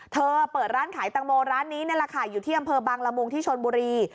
เธอเปิดร้านขายตังโมร้านนี้นี่แหละค่ะอยู่ที่อำเภอบางละมุงที่ชนบุรี